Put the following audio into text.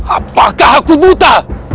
apakah aku buta